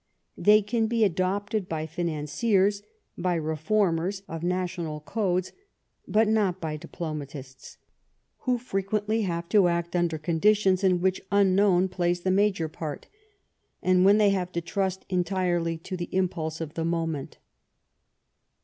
They can be adopted by financiers, by re formers of national codes, but not by diplomatists,, who frequently have to act under conditions in which unknown plays themajor part, and when they have to trust entirely to the impulse of the moment.